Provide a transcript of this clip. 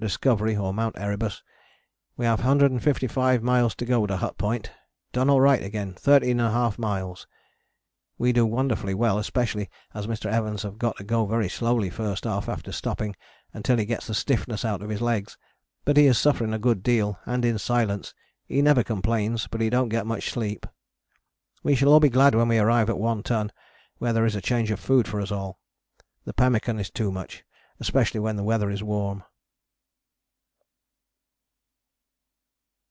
Discovery or Mt. Erebus, we have 155 miles to go to Hut Point: done alright again 13½ miles, we do wonderfully well especially as Mr. Evans have got to go very slowly first off after stopping until he gets the stiffness out of his legs, but he is suffering a good deal and in silence, he never complains, but he dont get much sleep. We shall all be glad when we arrive at One Ton, where there is a change of food for us all. The pemmican is too much, especially when the weather is warm.